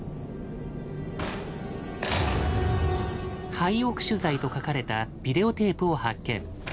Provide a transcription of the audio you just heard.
「廃屋取材」と書かれたビデオテープを発見。